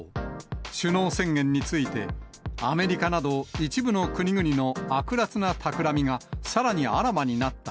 首脳宣言について、アメリカなど一部の国々の悪らつなたくらみがさらにあらわになった。